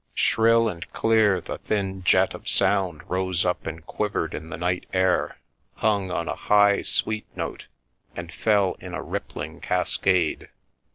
Shrill and clear the thin jet of sound rose up and quiv ered in the night air, hung on a high, sweet note, and fell in a rippling cascade.